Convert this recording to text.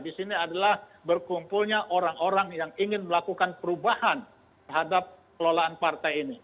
di sini adalah berkumpulnya orang orang yang ingin melakukan perubahan terhadap kelolaan partai ini